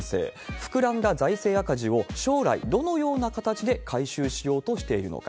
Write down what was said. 膨らんだ財政赤字を将来どのような形で回収しようとしているのか。